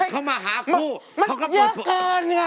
เขามาหาผู้เยอะเกินไง